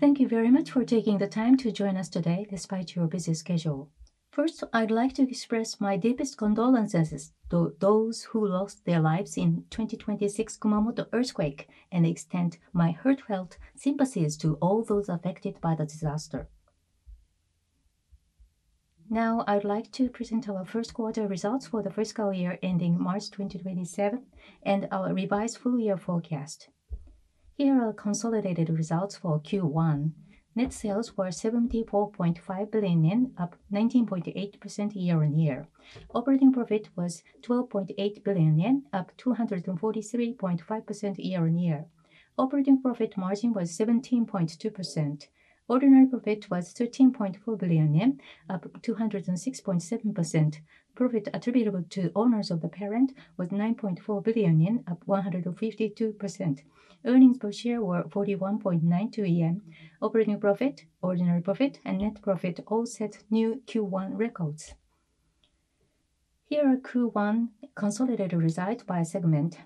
Thank you very much for taking the time to join us today despite your busy schedule. First, I'd like to express my deepest condolences to those who lost their lives in 2026 Kumamoto earthquake and extend my heartfelt sympathies to all those affected by the disaster. Now, I'd like to present our first quarter results for the fiscal year ending March 2027 and our revised full year forecast. Here are consolidated results for Q1. Net sales were 74.5 billion yen, up 19.8% year-on-year. Operating profit was 12.8 billion yen, up 243.5% year-on-year. Operating profit margin was 17.2%. Ordinary profit was 13.4 billion yen, up 206.7%. Profit attributable to owners of the parent was 9.4 billion yen, up 152%. Earnings per share were 41.92 yen. Operating profit, ordinary profit, and net profit all set new Q1 records. Here are Q1 consolidated results by segment.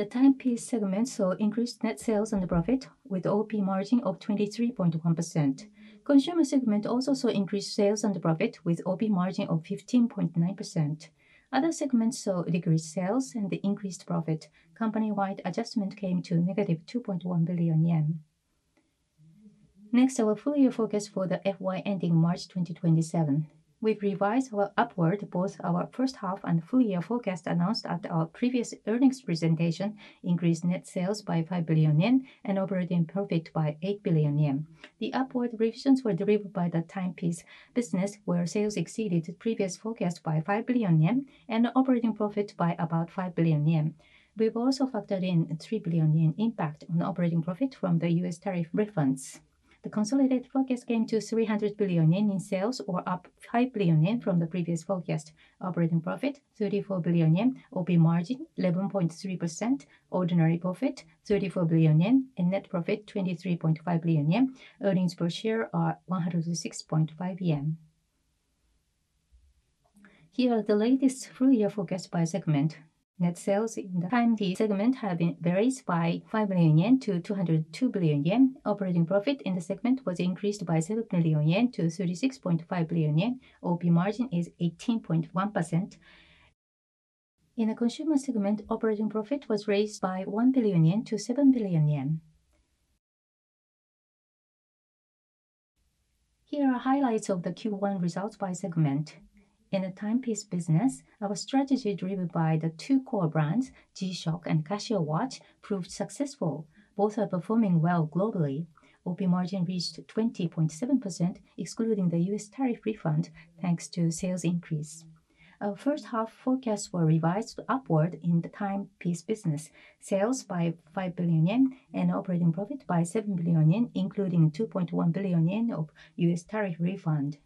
The Timepiece segment saw increased net sales and profit with OP margin of 23.1%. Consumer segment also saw increased sales and profit with OP margin of 15.9%. Other segments saw decreased sales and increased profit. Company-wide adjustment came to negative 2.1 billion yen. Our full year forecast for the FY 2027. We've revised upward both our first half and full year forecast announced at our previous earnings presentation, increased net sales by 5 billion yen, and operating profit by 8 billion yen. The upward revisions were driven by the Timepiece business, where sales exceeded previous forecasts by 5 billion yen and operating profit by about 5 billion yen. We've also factored in 3 billion yen impact on operating profit from the U.S. tariff refunds. The consolidated forecast came to 300 billion yen in sales or up 5 billion yen from the previous forecast. Operating profit 34 billion yen, OP margin 11.3%, ordinary profit 34 billion yen and net profit 23.5 billion yen. Earnings per share are 106.5 yen. Here are the latest full year forecasts by segment. Net sales in the Timepiece segment have been raised by 5 million yen to 202 billion yen. Operating profit in the segment was increased by 7 billion yen to 36.5 billion yen. OP margin is 18.1%. In the Consumer segment, operating profit was raised by 1 billion yen to 7 billion yen. Here are highlights of the Q1 results by segment. In the Timepiece business, our strategy driven by the two core brands, G-SHOCK and Casio Watch, proved successful. Both are performing well globally. OP margin reached 20.7%, excluding the U.S. tariff refund, thanks to sales increase. Our first half forecasts were revised upward in the Timepiece business, sales by 5 billion yen and operating profit by 7 billion yen, including 2.1 billion yen of U.S. tariff refund.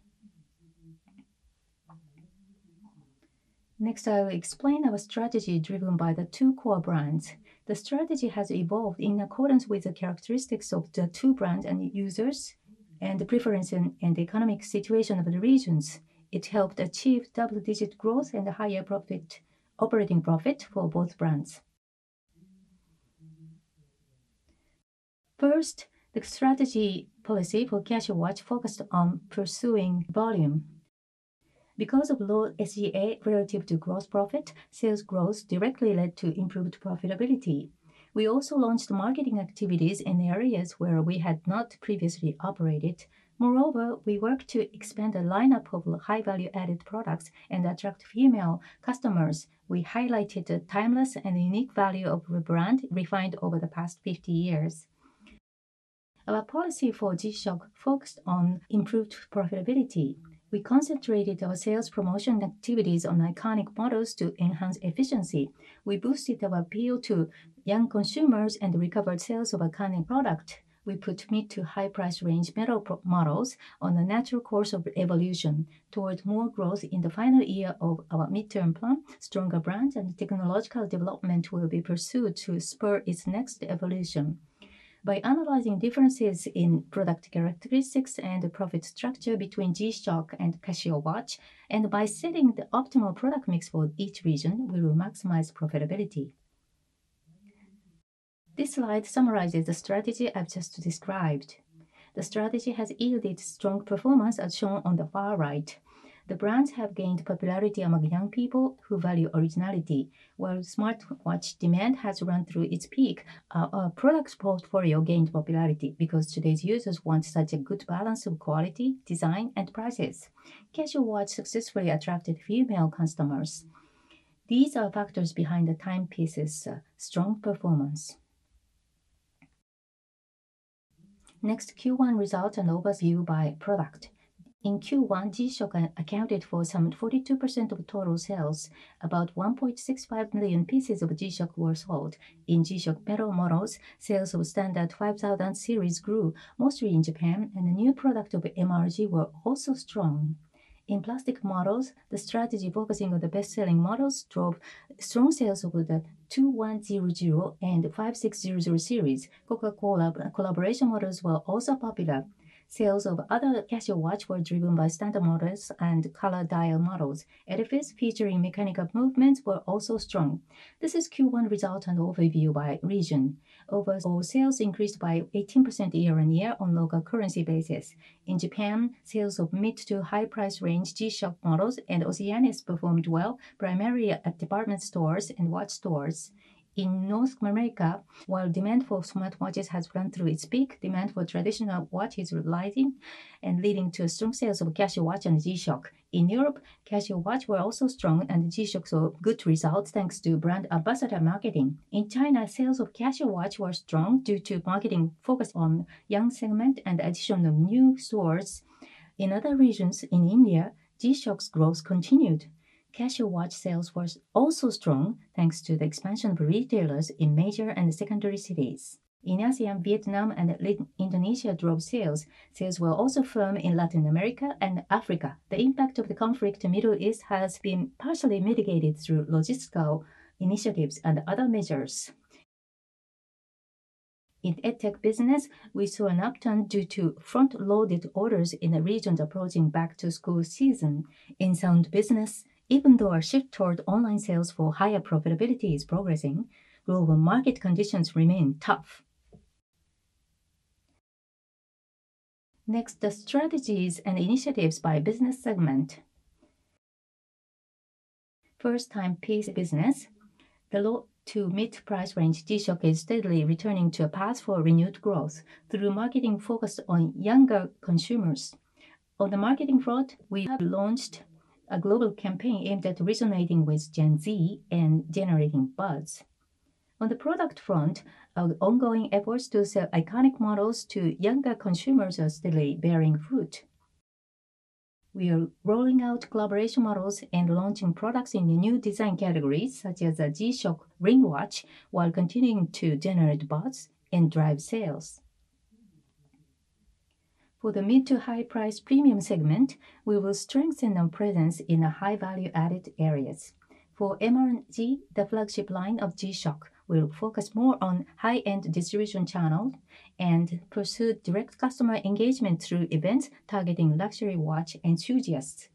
I'll explain our strategy driven by the two core brands. The strategy has evolved in accordance with the characteristics of the two brands and users, and the preference and the economic situation of the regions. It helped achieve double-digit growth and a higher operating profit for both brands. The strategy policy for Casio Watch focused on pursuing volume. Because of low SGA relative to gross profit, sales growth directly led to improved profitability. We also launched marketing activities in areas where we had not previously operated. Moreover, we worked to expand the lineup of high-value added products and attract female customers. We highlighted the timeless and unique value of the brand refined over the past 50 years. Our policy for G-SHOCK focused on improved profitability. We concentrated our sales promotion activities on iconic models to enhance efficiency. We boosted our appeal to young consumers and recovered sales of iconic product. We put mid to high price range metal models on a natural course of evolution towards more growth in the final year of our midterm plan. Stronger brands and technological development will be pursued to spur its next evolution. By analyzing differences in product characteristics and profit structure between G-SHOCK and Casio Watch, and by setting the optimal product mix for each region, we will maximize profitability. This slide summarizes the strategy I've just described. The strategy has yielded strong performance, as shown on the far right. The brands have gained popularity among young people who value originality. While smartwatch demand has run through its peak, our product portfolio gained popularity because today's users want such a good balance of quality, design, and prices. Casio Watch successfully attracted female customers. These are factors behind the Timepiece's strong performance. Next, Q1 results and overview by product. In Q1, G-SHOCK accounted for some 42% of total sales. About 1.65 million pieces of G-SHOCK were sold. In G-SHOCK metal models, sales of standard 5000 series grew, mostly in Japan, and the new product of MR-G were also strong. In plastic models, the strategy focusing on the best-selling models drove strong sales over the 2100 and 5600 series. Coca-Cola collaboration models were also popular. Sales of other Casio watches were driven by standard models and colored dial models. EDIFICE, featuring mechanical movements, were also strong. This is Q1 results and overview by region. Overall sales increased by 18% year-on-year on local currency basis. In Japan, sales of mid to high price range G-SHOCK models and OCEANUS performed well, primarily at department stores and watch stores. In North America, while demand for smartwatches has run through its peak, demand for traditional watches is rising and leading to strong sales of Casio Watch and G-SHOCK. In Europe, Casio watches were also strong, and G-SHOCK saw good results thanks to brand ambassador marketing. In China, sales of Casio watches were strong due to marketing focused on young segment and addition of new stores. In other regions, in India, G-SHOCK's growth continued. Casio Watch sales were also strong, thanks to the expansion of retailers in major and secondary cities. In Asia and Vietnam and Indonesia drove sales. Sales were also firm in Latin America and Africa. The impact of the conflict in Middle East has been partially mitigated through logistical initiatives and other measures. In EdTech business, we saw an upturn due to front-loaded orders in the regions approaching back-to-school season. In Sound Business, even though our shift toward online sales for higher profitability is progressing, global market conditions remain tough. Next, the strategies and initiatives by business segment. First, Timepiece business. The low to mid-price range G-SHOCK is steadily returning to a path for renewed growth through marketing focused on younger consumers. On the marketing front, we have launched a global campaign aimed at resonating with Gen Z and generating buzz. On the product front, our ongoing efforts to sell iconic models to younger consumers are steadily bearing fruit. We are rolling out collaboration models and launching products in the new design categories, such as a G-SHOCK ring watch, while continuing to generate buzz and drive sales. For the mid to high price premium segment, we will strengthen our presence in the high value-added areas. For MR-G, the flagship line of G-SHOCK, we will focus more on high-end distribution channels and pursue direct customer engagement through events targeting luxury watch enthusiasts.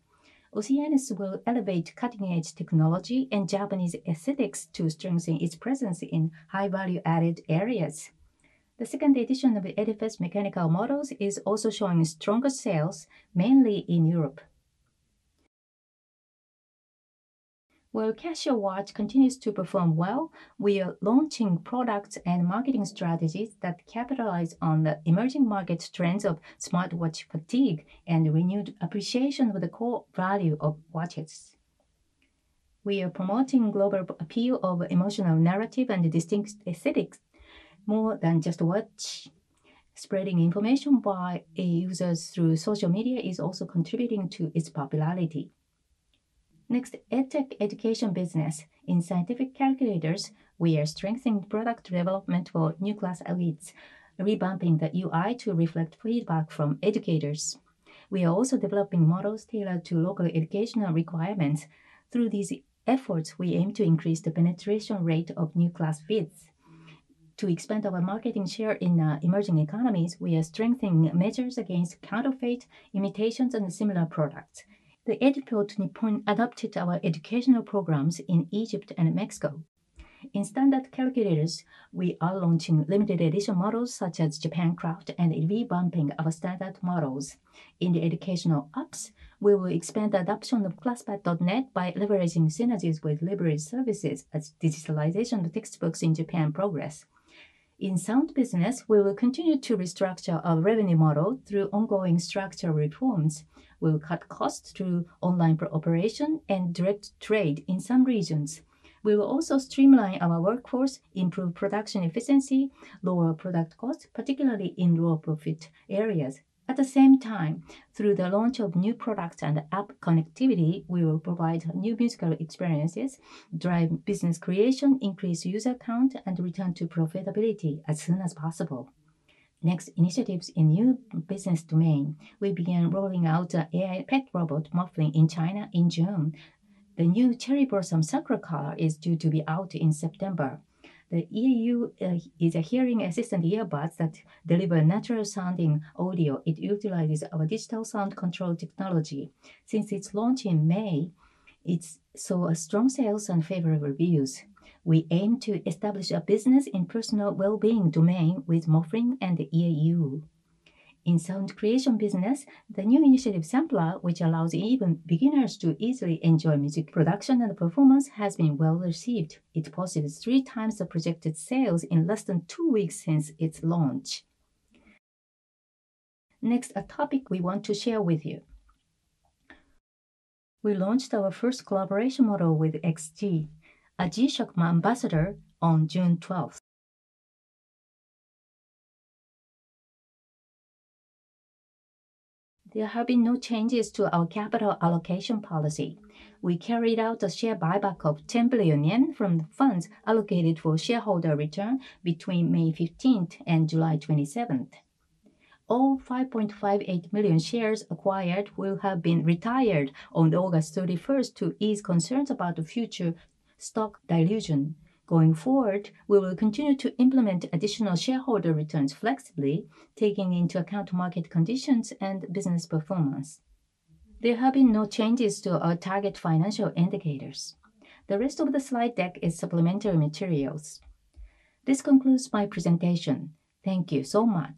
OCEANUS will elevate cutting-edge technology and Japanese aesthetics to strengthen its presence in high value-added areas. The second edition of the EDIFICE mechanical models is also showing stronger sales, mainly in Europe. While Casio Watch continues to perform well, we are launching products and marketing strategies that capitalize on the emerging market trends of smartwatch fatigue and renewed appreciation of the core value of watches. We are promoting global appeal of emotional narrative and distinct aesthetics. More than just a watch, spreading information by users through social media is also contributing to its popularity. Next, EdTech education business. In scientific calculators, we are strengthening product development for new ClassWiz, revamping the UI to reflect feedback from educators. We are also developing models tailored to local educational requirements. Through these efforts, we aim to increase the penetration rate of new ClassWiz. To expand our marketing share in emerging economies, we are strengthening measures against counterfeit, imitations, and similar products. The EdTech adopted our educational programs in Egypt and Mexico. In standard calculators, we are launching limited edition models such as JAPAN CRAFT and revamping our standard models. In the educational apps, we will expand the adoption of ClassPad.net by leveraging synergies with library services as digitalization textbooks in Japan progress. In Sound Business, we will continue to restructure our revenue model through ongoing structural reforms. We will cut costs through online operation and direct trade in some regions. We will also streamline our workforce, improve production efficiency, lower product costs, particularly in low profit areas. At the same time, through the launch of new products and app connectivity, we will provide new musical experiences, drive business creation, increase user count, and return to profitability as soon as possible. Next, initiatives in new business domain. We began rolling out the AI pet robot, Moflin, in China in June. The new cherry blossom Sakura color is due to be out in September. The EAU is a hearing assistant earbuds that deliver natural sounding audio. It utilizes our digital sound control technology. Since its launch in May, it saw strong sales and favorable reviews. We aim to establish a business in personal well-being domain with Moflin and the EAU. In sound creation business, the new initiative, Sampler, which allows even beginners to easily enjoy music production and performance, has been well received. It posted 3 times the projected sales in less than two weeks since its launch. Next, a topic we want to share with you. We launched our first collaboration model with XG, a G-SHOCK ambassador, on June 12th. There have been no changes to our capital allocation policy. We carried out a share buyback of 10 billion yen from the funds allocated for shareholder return between May 15th and July 27th. All 5.58 million shares acquired will have been retired on August 31st to ease concerns about the future stock dilution. Going forward, we will continue to implement additional shareholder returns flexibly, taking into account market conditions and business performance. There have been no changes to our target financial indicators. The rest of the slide deck is supplementary materials. This concludes my presentation. Thank you so much